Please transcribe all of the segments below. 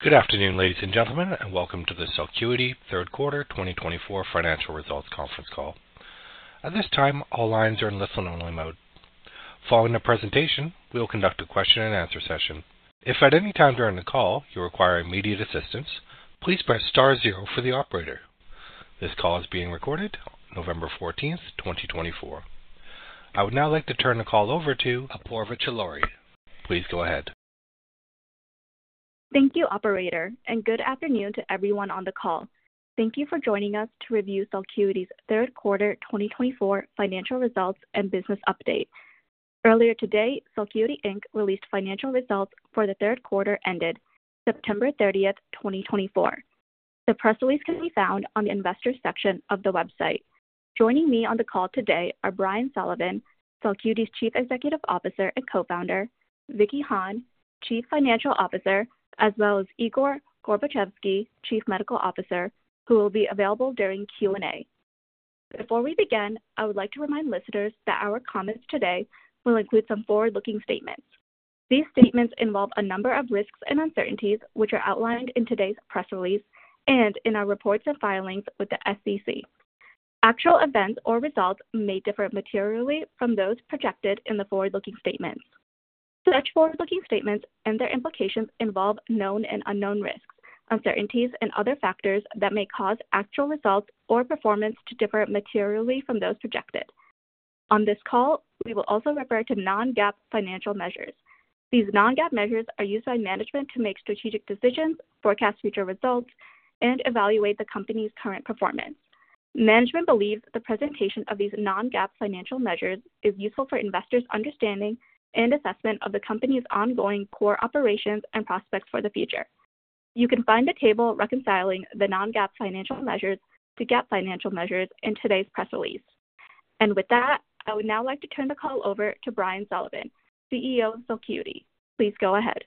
Good afternoon, ladies and gentlemen, and welcome to the Celcuity Q3 2024 Financial Results Conference Call. At this time, all lines are in listen-only mode. Following the presentation, we will conduct a question-and-answer session. If at any time during the call you require immediate assistance, please press star zero for the operator. This call is being recorded, November 14th, 2024. I would now like to turn the call over to Apoorva Chaloori. Please go ahead. Thank you, Operator, and good afternoon to everyone on the call. Thank you for joining us to review Celcuity's Q3 2024 financial results and business update. Earlier today, Celcuity Inc released financial results for the Q3 ended September 30th, 2024. The press release can be found on the Investors section of the website. Joining me on the call today are Brian Sullivan, Celcuity's Chief Executive Officer and Co-founder, Vicky Hahne, Chief Financial Officer, as well as Igor Gorbatchevsky, Chief Medical Officer, who will be available during Q&A. Before we begin, I would like to remind listeners that our comments today will include some forward-looking statements. These statements involve a number of risks and uncertainties, which are outlined in today's press release and in our reports and filings with the SEC. Actual events or results may differ materially from those projected in the forward-looking statements. Such forward-looking statements and their implications involve known and unknown risks, uncertainties, and other factors that may cause actual results or performance to differ materially from those projected. On this call, we will also refer to non-GAAP financial measures. These non-GAAP measures are used by management to make strategic decisions, forecast future results, and evaluate the company's current performance. Management believes the presentation of these non-GAAP financial measures is useful for investors' understanding and assessment of the company's ongoing core operations and prospects for the future. You can find a table reconciling the non-GAAP financial measures to GAAP financial measures in today's press release. And with that, I would now like to turn the call over to Brian Sullivan, CEO of Celcuity. Please go ahead.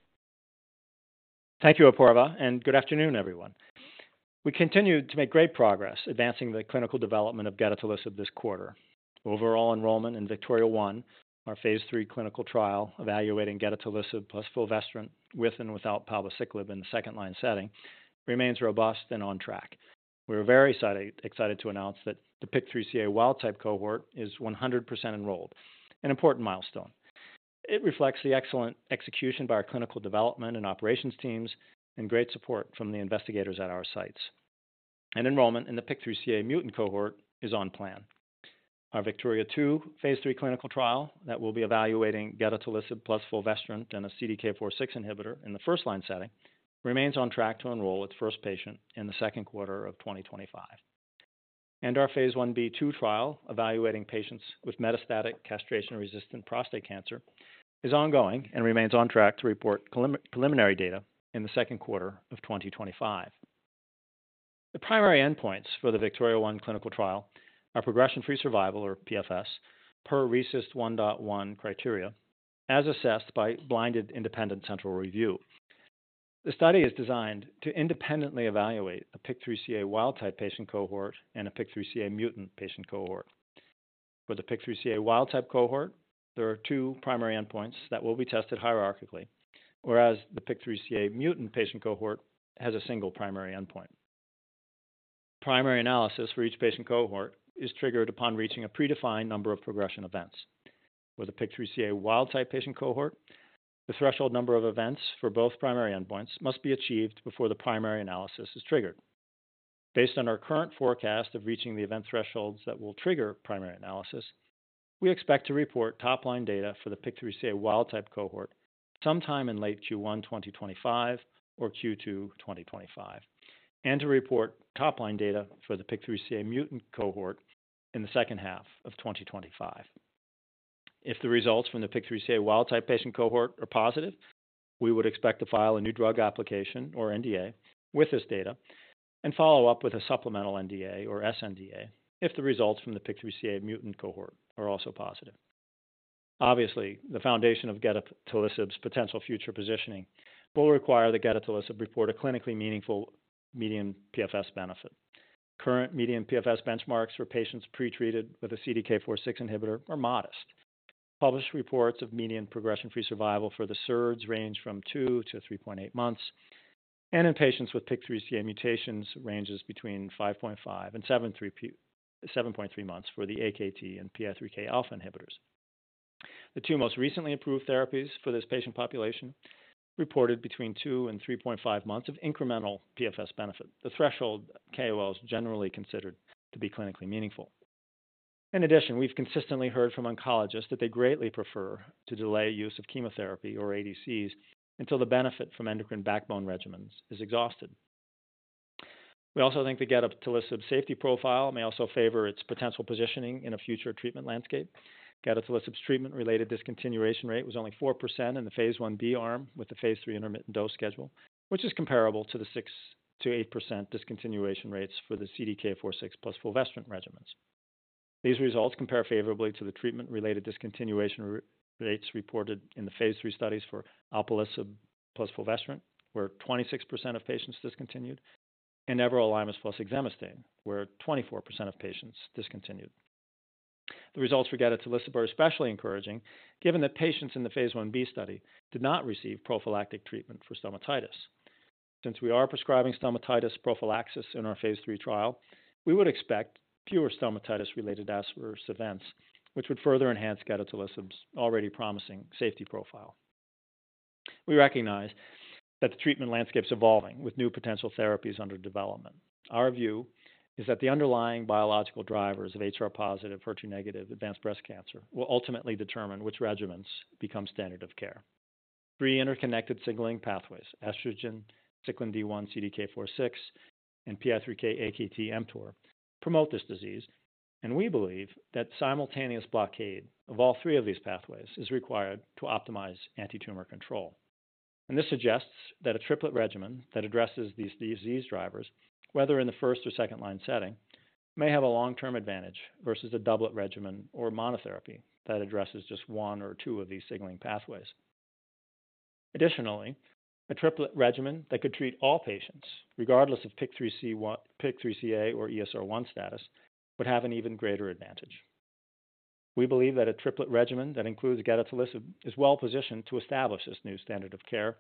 Thank you, Apoorva, and good afternoon, everyone. We continue to make great progress advancing the clinical development of gedatolisib this quarter. Overall enrollment in VIKTORIA-1, our phase III clinical trial evaluating gedatolisib plus fulvestrant with and without palbociclib in the second-line setting, remains robust and on track. We are very excited to announce that the PIK3CA wild-type cohort is 100% enrolled, an important milestone. It reflects the excellent execution by our clinical development and operations teams and great support from the investigators at our sites. And enrollment in the PIK3CA mutant cohort is on plan. Our VIKTORIA-2 phase III clinical trial that will be evaluating gedatolisib plus fulvestrant and a CDK4/6 inhibitor in the first-line setting remains on track to enroll its first patient in the second quarter of 2025. Our phase Ib/II trial evaluating patients with metastatic castration-resistant prostate cancer is ongoing and remains on track to report preliminary data in the second quarter of 2025. The primary endpoints for the VIKTORIA-1 clinical trial are progression-free survival, or PFS, per RECIST 1.1 criteria, as assessed by blinded independent central review. The study is designed to independently evaluate a PIK3CA wild-type patient cohort and a PIK3CA mutant patient cohort. For the PIK3CA wild-type cohort, there are two primary endpoints that will be tested hierarchically, whereas the PIK3CA mutant patient cohort has a single primary endpoint. Primary analysis for each patient cohort is triggered upon reaching a predefined number of progression events. For the PIK3CA wild-type patient cohort, the threshold number of events for both primary endpoints must be achieved before the primary analysis is triggered. Based on our current forecast of reaching the event thresholds that will trigger primary analysis, we expect to report top-line data for the PIK3CA wild-type cohort sometime in late Q1 2025 or Q2 2025, and to report top-line data for the PIK3CA mutant cohort in the second half of 2025. If the results from the PIK3CA wild-type patient cohort are positive, we would expect to file a new drug application, or NDA, with this data and follow up with a supplemental NDA, or sNDA, if the results from the PIK3CA mutant cohort are also positive. Obviously, the foundation of gedatolisib's potential future positioning will require the gedatolisib report a clinically meaningful median PFS benefit. Current median PFS benchmarks for patients pretreated with a CDK4/6 inhibitor are modest. Published reports of median progression-free survival for the SERDs range from 2 to 3.8 months, and in patients with PIK3CA mutations, ranges between 5.5 and 7.3 months for the AKT and PI3K alpha inhibitors. The two most recently approved therapies for this patient population reported between 2 and 3.5 months of incremental PFS benefit. The threshold that KOLs consider is generally considered to be clinically meaningful. In addition, we've consistently heard from oncologists that they greatly prefer to delay use of chemotherapy, or ADCs, until the benefit from endocrine backbone regimens is exhausted. We also think the gedatolisib safety profile may also favor its potential positioning in a future treatment landscape. Gedatolisib's treatment-related discontinuation rate was only 4% in the phase Ib arm with the phase III intermittent dose schedule, which is comparable to the 6%-8% discontinuation rates for the CDK4/6 plus fulvestrant regimens. These results compare favorably to the treatment-related discontinuation rates reported in the phase III studies for alpelisib plus fulvestrant, where 26% of patients discontinued, and everolimus plus exemestane, where 24% of patients discontinued. The results for gedatolisib are especially encouraging given that patients in the phase Ib study did not receive prophylactic treatment for stomatitis. Since we are prescribing stomatitis prophylaxis in our phase III trial, we would expect fewer stomatitis-related adverse events, which would further enhance gedatolisib's already promising safety profile. We recognize that the treatment landscape is evolving with new potential therapies under development. Our view is that the underlying biological drivers of HR-positive, HER2-negative advanced breast cancer will ultimately determine which regimens become standard of care. Three interconnected signaling pathways, estrogen, cyclin D1, CDK4/6, and PI3K/AKT/mTOR, promote this disease, and we believe that simultaneous blockade of all three of these pathways is required to optimize anti-tumor control. This suggests that a triplet regimen that addresses these disease drivers, whether in the first or second-line setting, may have a long-term advantage versus a doublet regimen or monotherapy that addresses just one or two of these signaling pathways. Additionally, a triplet regimen that could treat all patients, regardless of PIK3CA or ESR1 status, would have an even greater advantage. We believe that a triplet regimen that includes gedatolisib is well-positioned to establish this new standard of care,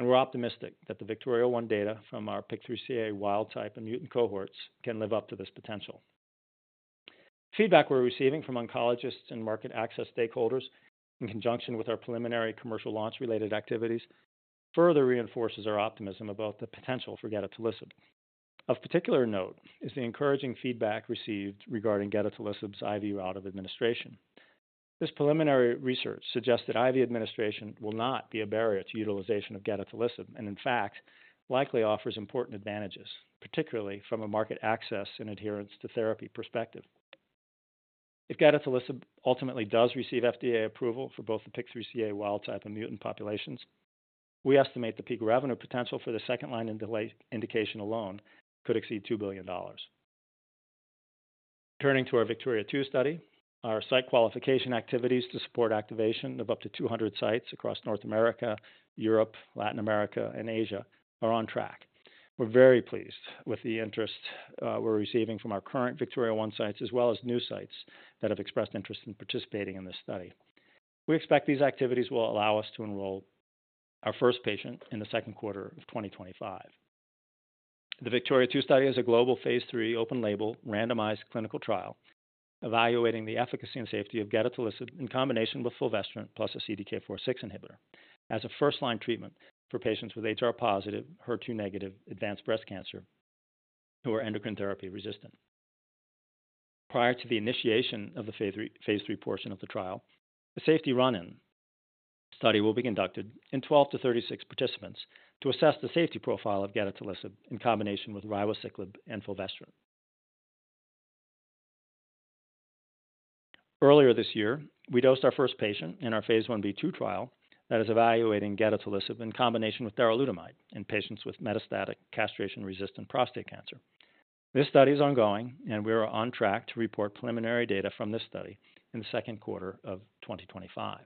and we're optimistic that the VIKTORIA-1 data from our PIK3CA wild-type and mutant cohorts can live up to this potential. Feedback we're receiving from oncologists and market access stakeholders, in conjunction with our preliminary commercial launch-related activities, further reinforces our optimism about the potential for gedatolisib. Of particular note is the encouraging feedback received regarding gedatolisib's IV route of administration. This preliminary research suggests that IV administration will not be a barrier to utilization of gedatolisib and, in fact, likely offers important advantages, particularly from a market access and adherence-to-therapy perspective. If gedatolisib ultimately does receive FDA approval for both the PIK3CA wild-type and mutant populations, we estimate the peak revenue potential for the second-line indication alone could exceed $2 billion. Returning to our VIKTORIA-2 study, our site qualification activities to support activation of up to 200 sites across North America, Europe, Latin America, and Asia are on track. We're very pleased with the interest we're receiving from our current VIKTORIA-1 sites as well as new sites that have expressed interest in participating in this study. We expect these activities will allow us to enroll our first patient in the second quarter of 2025. The VIKTORIA-2 study is a global phase III open-label, randomized clinical trial evaluating the efficacy and safety of gedatolisib in combination with fulvestrant plus a CDK4/6 inhibitor as a first-line treatment for patients with HR-positive, HER2-negative advanced breast cancer who are endocrine therapy resistant. Prior to the initiation of the phase III portion of the trial, a safety run-in study will be conducted in 12 to 36 participants to assess the safety profile of gedatolisib in combination with ribociclib and fulvestrant. Earlier this year, we dosed our first patient in our phase Ib/II trial that is evaluating gedatolisib in combination with darolutamide in patients with metastatic castration-resistant prostate cancer. This study is ongoing, and we are on track to report preliminary data from this study in the second quarter of 2025.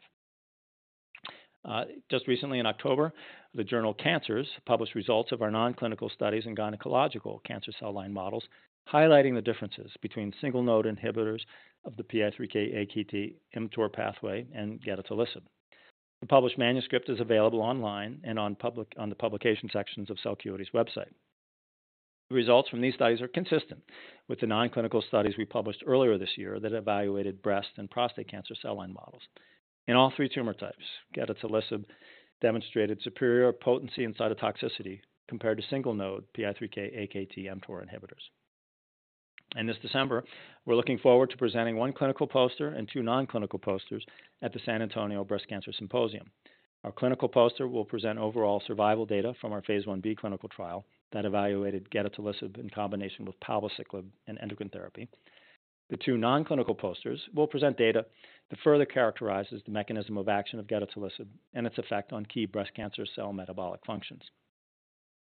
Just recently, in October, the journal Cancers published results of our non-clinical studies in gynecological cancer cell line models, highlighting the differences between single-node inhibitors of the PI3K/AKT/mTOR pathway and gedatolisib. The published manuscript is available online and on the publication sections of Celcuity's website. The results from these studies are consistent with the non-clinical studies we published earlier this year that evaluated breast and prostate cancer cell line models. In all three tumor types, gedatolisib demonstrated superior potency and cytotoxicity compared to single-node PI3K/AKT/mTOR inhibitors, and this December, we're looking forward to presenting one clinical poster and two non-clinical posters at the San Antonio Breast Cancer Symposium. Our clinical poster will present overall survival data from our phase Ib clinical trial that evaluated gedatolisib in combination with palbociclib and endocrine therapy. The two non-clinical posters will present data that further characterizes the mechanism of action of gedatolisib and its effect on key breast cancer cell metabolic functions.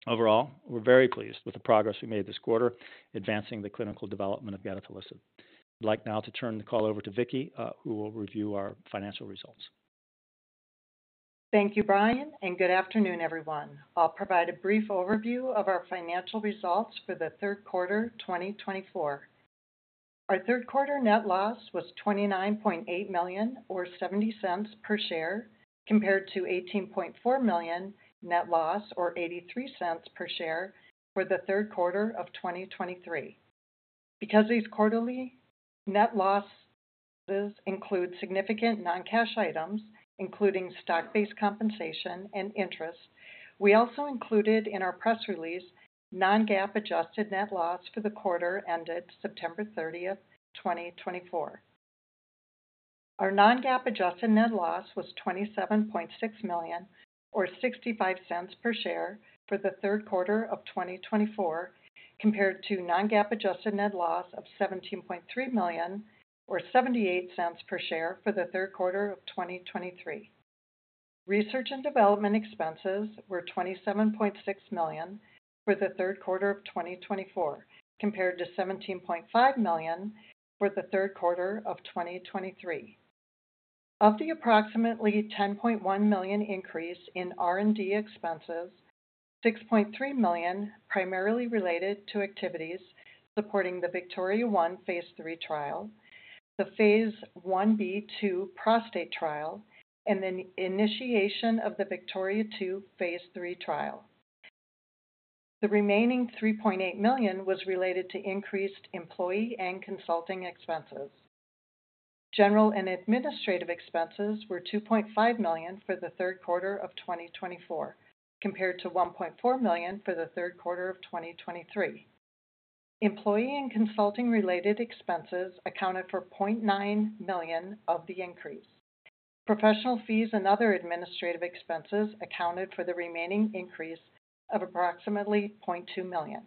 Overall, we're very pleased with the progress we made this quarter advancing the clinical development of gedatolisib. I'd like now to turn the call over to Vicky, who will review our financial results. Thank you, Brian, and good afternoon, everyone. I'll provide a brief overview of our financial results for the third quarter 2024. Our third quarter net loss was $29.8 million, or $0.70 per share, compared to $18.4 million net loss, or $0.83 per share, for the third quarter of 2023. Because these quarterly net losses include significant non-cash items, including stock-based compensation and interest, we also included in our press release non-GAAP adjusted net loss for the quarter ended September 30, 2024. Our non-GAAP adjusted net loss was $27.6 million, or $0.65 per share, for the third quarter of 2024, compared to non-GAAP adjusted net loss of $17.3 million, or $0.78 per share, for the third quarter of 2023. Research and development expenses were $27.6 million for the third quarter of 2024, compared to $17.5 million for the third quarter of 2023. Of the approximately $10.1 million increase in R&D expenses, $6.3 million primarily related to activities supporting the VIKTORIA-1 phase III trial, the phase Ib/II prostate trial, and the initiation of the VIKTORIA-2 phase III trial. The remaining $3.8 million was related to increased employee and consulting expenses. General and administrative expenses were $2.5 million for the third quarter of 2024, compared to $1.4 million for the third quarter of 2023. Employee and consulting-related expenses accounted for $0.9 million of the increase. Professional fees and other administrative expenses accounted for the remaining increase of approximately $0.2 million.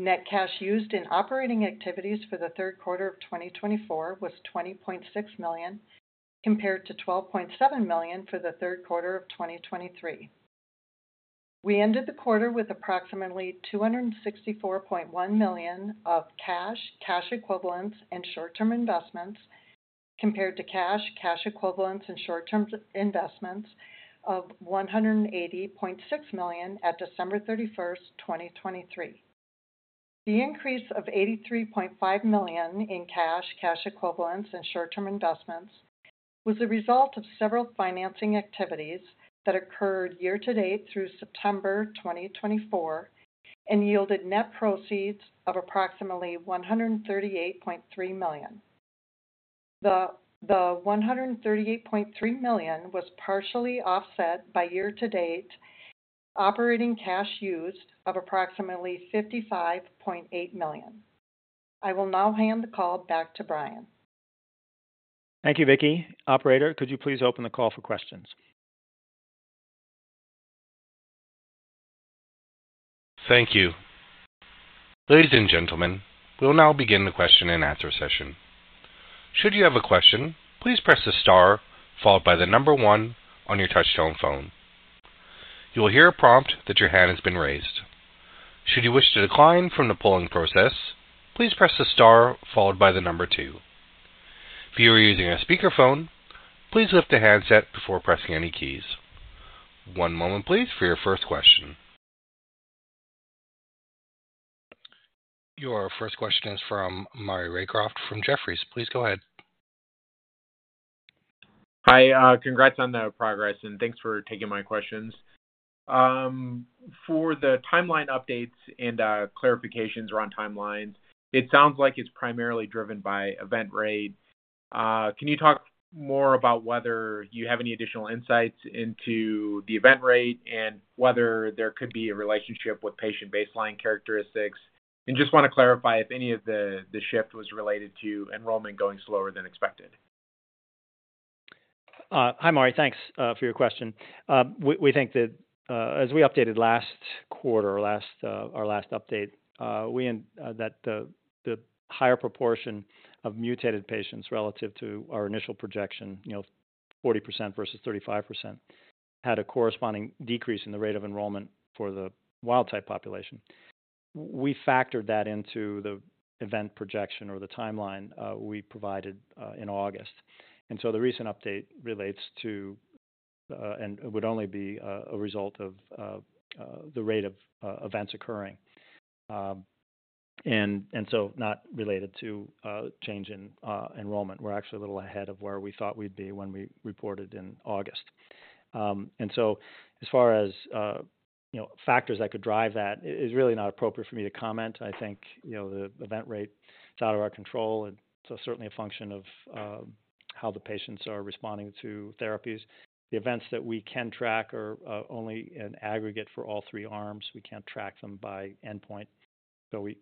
Net cash used in operating activities for the third quarter of 2024 was $20.6 million, compared to $12.7 million for the third quarter of 2023. We ended the quarter with approximately $264.1 million of cash, cash equivalents, and short-term investments, compared to cash, cash equivalents, and short-term investments of $180.6 million at December 31, 2023. The increase of $83.5 million in cash, cash equivalents, and short-term investments was the result of several financing activities that occurred year-to-date through September 2024 and yielded net proceeds of approximately $138.3 million. The $138.3 million was partially offset by year-to-date operating cash used of approximately $55.8 million. I will now hand the call back to Brian. Thank you, Vicky. Operator, could you please open the call for questions? Thank you. Ladies and gentlemen, we'll now begin the question and answer session. Should you have a question, please press the star followed by the number one on your touch-tone phone. You will hear a prompt that your hand has been raised. Should you wish to decline from the polling process, please press the star followed by the number two. If you are using a speakerphone, please lift the handset before pressing any keys. One moment, please, for your first question. Your first question is from Maury Raycroft from Jefferies. Please go ahead. Hi. Congrats on the progress, and thanks for taking my questions. For the timeline updates and clarifications around timelines, it sounds like it's primarily driven by event rate. Can you talk more about whether you have any additional insights into the event rate and whether there could be a relationship with patient baseline characteristics? And just want to clarify if any of the shift was related to enrollment going slower than expected? Hi, Maury. Thanks for your question. We think that as we updated last quarter, our last update, we had that the higher proportion of mutated patients relative to our initial projection, 40% versus 35%, had a corresponding decrease in the rate of enrollment for the wild-type population. We factored that into the event projection or the timeline we provided in August, and so the recent update relates to and would only be a result of the rate of events occurring, and so not related to change in enrollment. We're actually a little ahead of where we thought we'd be when we reported in August, and so as far as factors that could drive that, it's really not appropriate for me to comment. I think the event rate is out of our control, and so certainly a function of how the patients are responding to therapies. The events that we can track are only an aggregate for all three arms. We can't track them by endpoint, so we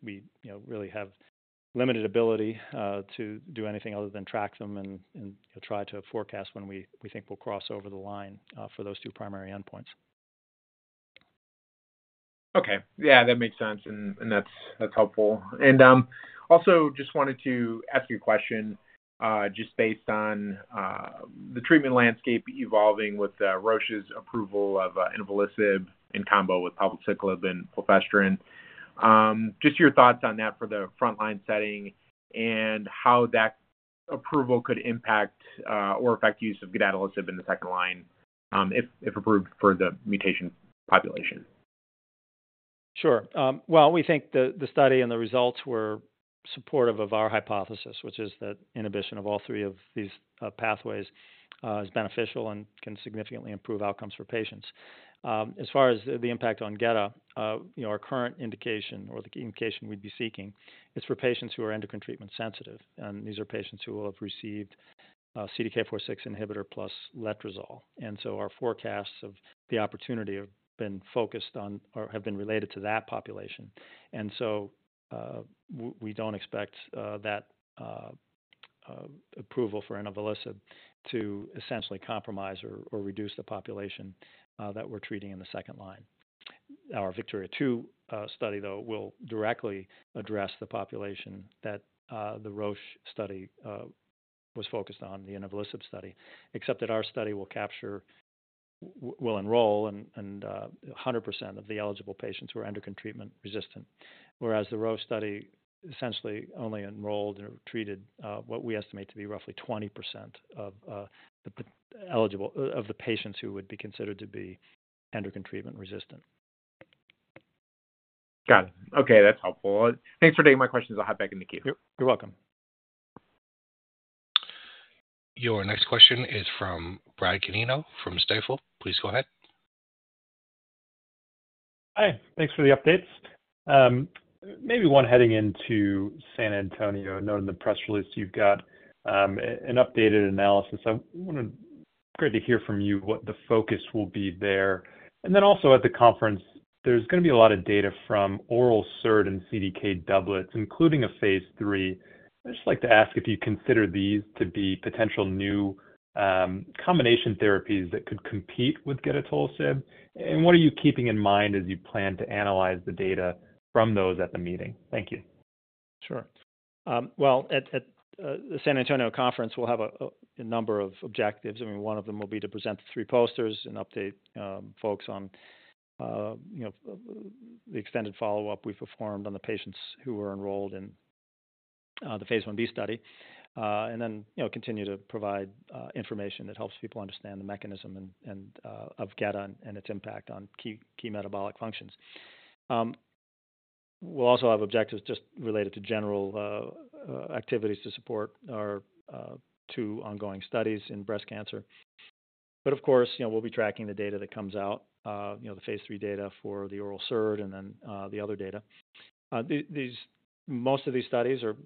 really have limited ability to do anything other than track them and try to forecast when we think we'll cross over the line for those two primary endpoints. Okay. Yeah, that makes sense, and that's helpful. And also, just wanted to ask you a question just based on the treatment landscape evolving with Roche's approval of inavolisib in combo with palbociclib and fulvestrant. Just your thoughts on that for the front-line setting and how that approval could impact or affect use of gedatolisib in the second line if approved for the mutation population? Sure. We think the study and the results were supportive of our hypothesis, which is that inhibition of all three of these pathways is beneficial and can significantly improve outcomes for patients. As far as the impact on gedatolisib, our current indication or the indication we'd be seeking is for patients who are endocrine treatment sensitive, and these are patients who will have received CDK4/6 inhibitor plus letrozole. Our forecasts of the opportunity have been focused on or have been related to that population. We don't expect that approval for inavolisib to essentially compromise or reduce the population that we're treating in the second line. Our VIKTORIA-2 study, though, will directly address the population that the Roche study was focused on, the inavolisib study, except that our study will enroll 100% of the eligible patients who are endocrine treatment resistant, whereas the Roche study essentially only enrolled or treated what we estimate to be roughly 20% of the eligible of the patients who would be considered to be endocrine treatment resistant. Got it. Okay. That's helpful. Thanks for taking my questions. I'll head back into Q. You're welcome. Your next question is from Brad Canino from Stifel. Please go ahead. Hi. Thanks for the updates. Maybe one heading into San Antonio. I noted in the press release you've got an updated analysis. I wanted to hear from you what the focus will be there. And then also at the conference, there's going to be a lot of data from oral SERD and CDK doublets, including a phase III. I'd just like to ask if you consider these to be potential new combination therapies that could compete with gedatolisib, and what are you keeping in mind as you plan to analyze the data from those at the meeting? Thank you. Sure. Well, at the San Antonio conference, we'll have a number of objectives. I mean, one of them will be to present the three posters and update folks on the extended follow-up we performed on the patients who were enrolled in the phase Ib study, and then continue to provide information that helps people understand the mechanism of gedatolisib and its impact on key metabolic functions. We'll also have objectives just related to general activities to support our two ongoing studies in breast cancer. But of course, we'll be tracking the data that comes out, the phase III data for the oral SERD and then the other data. Most of these studies are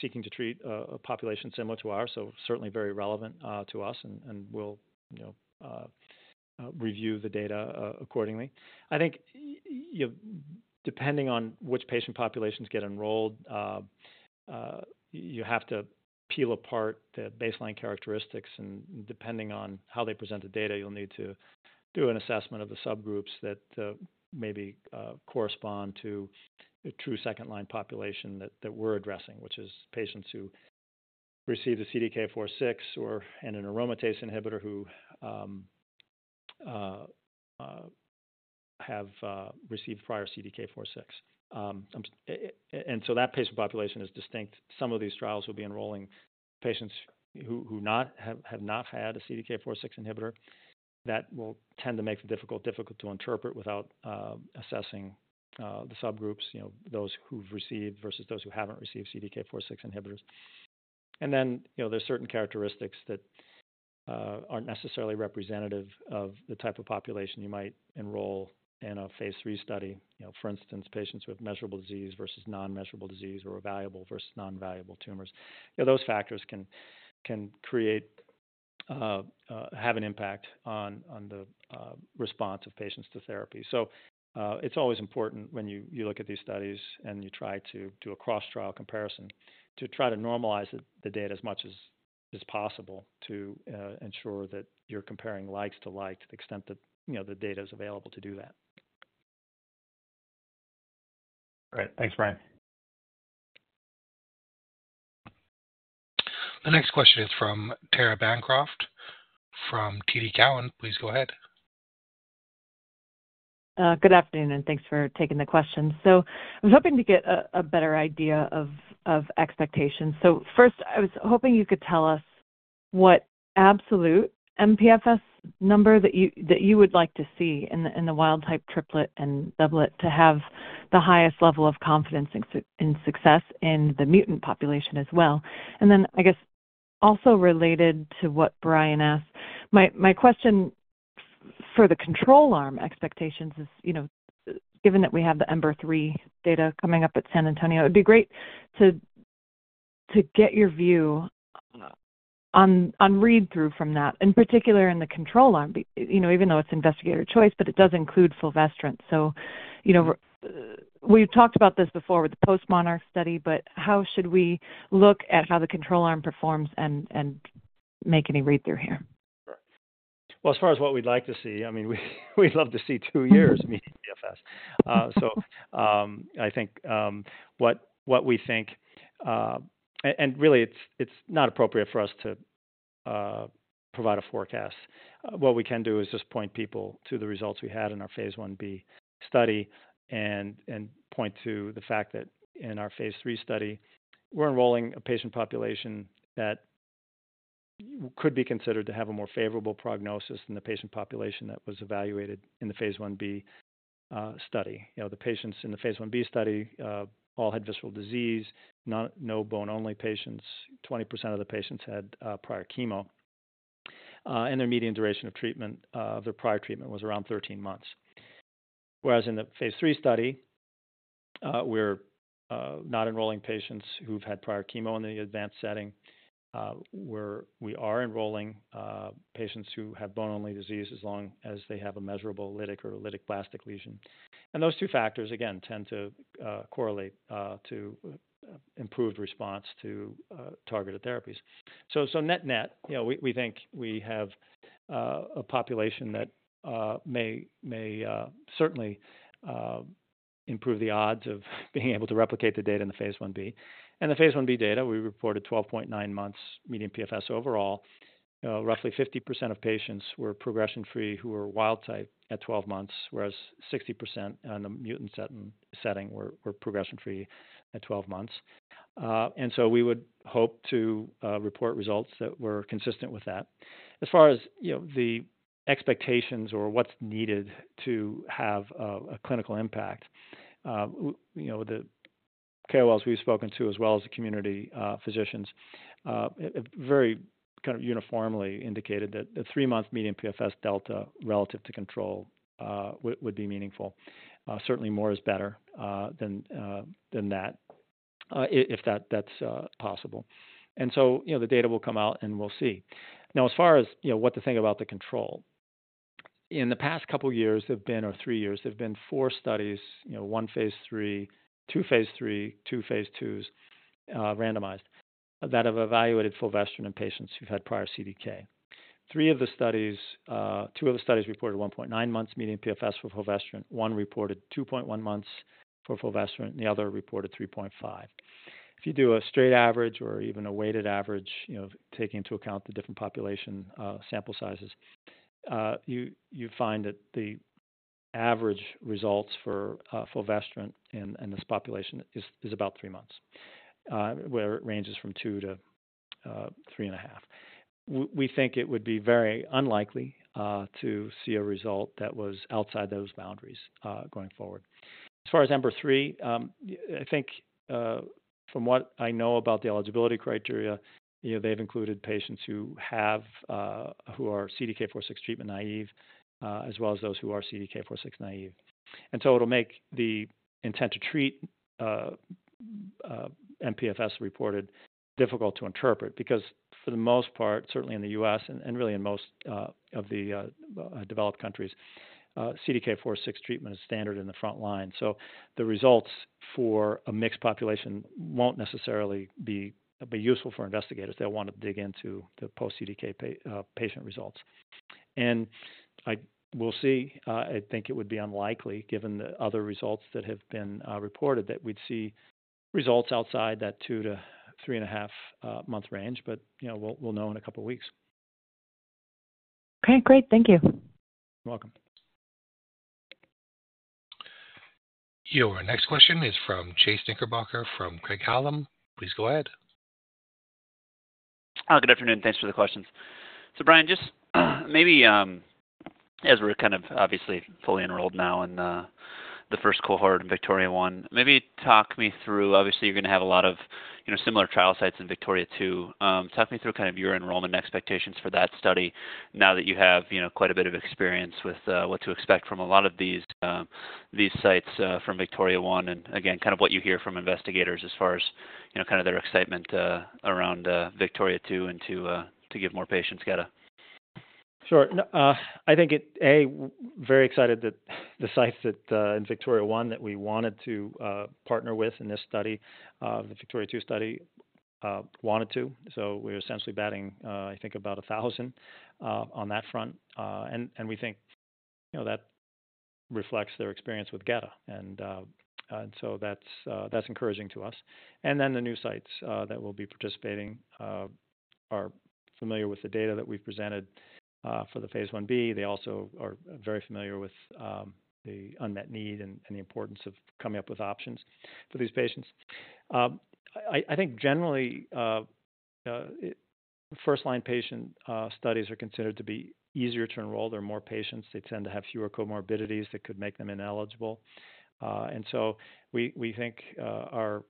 seeking to treat a population similar to ours, so certainly very relevant to us, and we'll review the data accordingly. I think depending on which patient populations get enrolled, you have to peel apart the baseline characteristics, and depending on how they present the data, you'll need to do an assessment of the subgroups that maybe correspond to the true second-line population that we're addressing, which is patients who received a CDK4/6 or an aromatase inhibitor who have received prior CDK4/6, and so that patient population is distinct. Some of these trials will be enrolling patients who have not had a CDK4/6 inhibitor. That will tend to make it difficult to interpret without assessing the subgroups, those who've received versus those who haven't received CDK4/6 inhibitors, and then there's certain characteristics that aren't necessarily representative of the type of population you might enroll in a phase III study. For instance, patients with measurable disease versus non-measurable disease or visceral versus non-visceral tumors. Those factors can have an impact on the response of patients to therapy. So it's always important when you look at these studies and you try to do a cross-trial comparison to try to normalize the data as much as possible to ensure that you're comparing likes to likes to the extent that the data is available to do that. All right. Thanks, Brian. The next question is from Tara Bancroft from TD Cowen. Please go ahead. Good afternoon, and thanks for taking the question. I was hoping to get a better idea of expectations. First, I was hoping you could tell us what absolute MPFS number that you would like to see in the wild-type triplet and doublet to have the highest level of confidence in success in the mutant population as well. I guess also related to what Brian asked, my question for the control arm expectations is, given that we have the EMBER-3 data coming up at San Antonio, it'd be great to get your view on read-through from that, in particular in the control arm, even though it's investigator choice, but it does include fulvestrant. We've talked about this before with the postMONARCH study, but how should we look at how the control arm performs and make any read-through here? As far as what we'd like to see, I mean, we'd love to see two years of MPFS. So I think what we think and really, it's not appropriate for us to provide a forecast. What we can do is just point people to the results we had in our phase Ib study and point to the fact that in our phase III study, we're enrolling a patient population that could be considered to have a more favorable prognosis than the patient population that was evaluated in the phase Ib study. The patients in the phase Ib study all had visceral disease, no bone-only patients. 20% of the patients had prior chemo, and their median duration of treatment of their prior treatment was around 13 months. Whereas in the phase III study, we're not enrolling patients who've had prior chemo in the advanced setting. We are enrolling patients who have bone-only disease as long as they have a measurable lytic or lytic-blastic lesion. And those two factors, again, tend to correlate to improved response to targeted therapies. So net-net, we think we have a population that may certainly improve the odds of being able to replicate the data in the phase Ib. And the phase Ib data, we reported 12.9 months median PFS overall. Roughly 50% of patients were progression-free who were wild-type at 12 months, whereas 60% in the mutant setting were progression-free at 12 months. And so we would hope to report results that were consistent with that. As far as the expectations or what's needed to have a clinical impact, the KOLs we've spoken to, as well as the community physicians, have very kind of uniformly indicated that the three-month median PFS delta relative to control would be meaningful. Certainly, more is better than that if that's possible. And so the data will come out, and we'll see. Now, as far as what to think about the control, in the past couple of years or three years, there have been four studies, one phase III, two phase II randomized that have evaluated fulvestrant in patients who've had prior CDK. Two of the studies reported 1.9 months median PFS for fulvestrant. One reported 2.1 months for fulvestrant, and the other reported 3.5. If you do a straight average or even a weighted average, taking into account the different population sample sizes, you find that the average results for fulvestrant in this population is about three months, where it ranges from two to three and a half. We think it would be very unlikely to see a result that was outside those boundaries going forward. As far as EMBER-3, I think from what I know about the eligibility criteria, they've included patients who are CDK4/6 treatment naive, as well as those who are CDK4/6 naive, and so it'll make the intent-to-treat mPFS reported difficult to interpret because, for the most part, certainly in the U.S. and really in most of the developed countries, CDK4/6 treatment is standard in the front line, so the results for a mixed population won't necessarily be useful for investigators. They'll want to dig into the post-CDK4/6 patient results, and I think it would be unlikely, given the other results that have been reported, that we'd see results outside that two to three and a half month range, but we'll know in a couple of weeks. Okay. Great. Thank you. You're welcome. Your next question is from Chase Knickerbocker from Craig-Hallum. Please go ahead. Hi. Good afternoon. Thanks for the questions. So Brian, just maybe as we're kind of obviously fully enrolled now in the first cohort and VIKTORIA-1, maybe talk me through obviously, you're going to have a lot of similar trial sites in VIKTORIA-2. Talk me through kind of your enrollment expectations for that study now that you have quite a bit of experience with what to expect from a lot of these sites from VIKTORIA-1 and, again, kind of what you hear from investigators as far as kind of their excitement around VIKTORIA-2 and to give more patients gedatolisib. Sure. I think I'm very excited that the sites in VIKTORIA-1 that we wanted to partner with in this study, the VIKTORIA-2 study, wanted to. So we're essentially getting, I think, about 1,000 on that front. And we think that reflects their experience with Geda. And so that's encouraging to us. And then the new sites that will be participating are familiar with the data that we've presented for the phase Ib. They also are very familiar with the unmet need and the importance of coming up with options for these patients. I think, generally, first-line patient studies are considered to be easier to enroll. There are more patients. They tend to have fewer comorbidities that could make them ineligible. And so we think our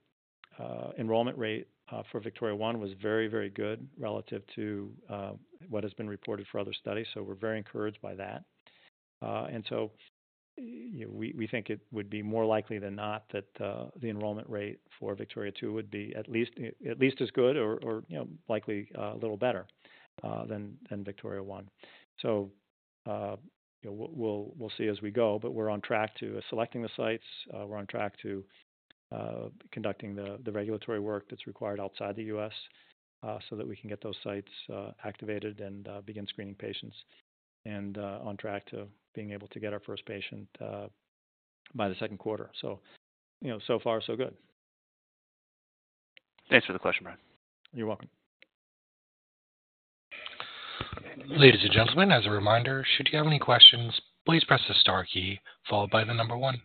enrollment rate for VIKTORIA-1 was very, very good relative to what has been reported for other studies. So we're very encouraged by that. And so we think it would be more likely than not that the enrollment rate for VIKTORIA-2 would be at least as good or likely a little better than VIKTORIA-1. So we'll see as we go, but we're on track to selecting the sites. We're on track to conducting the regulatory work that's required outside the U.S. so that we can get those sites activated and begin screening patients and on track to being able to get our first patient by the second quarter. So far, so good. Thanks for the question, Brian. You're welcome. Ladies and gentlemen, as a reminder, should you have any questions, please press the star key followed by the number one.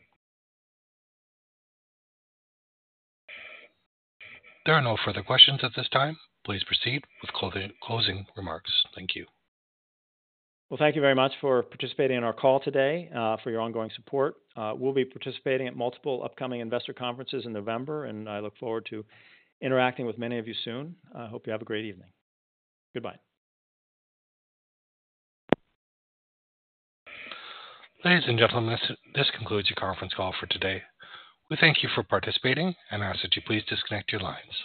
There are no further questions at this time. Please proceed with closing remarks. Thank you. Thank you very much for participating in our call today, for your ongoing support. We'll be participating at multiple upcoming investor conferences in November, and I look forward to interacting with many of you soon. I hope you have a great evening. Goodbye. Ladies and gentlemen, this concludes the conference call for today. We thank you for participating and ask that you please disconnect your lines.